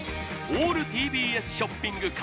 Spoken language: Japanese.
オールＴＢＳショッピング